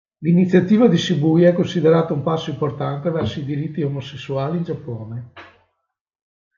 L'iniziativa di Shibuya è considerata un passo importante verso i diritti omosessuali in Giappone.